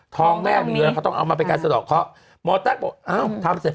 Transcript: ท้องแม่นิ้วแหละเขาต้องเอามาไปการสดอกเขาหมอตั๊กบอกเอ้าทำเสร็จ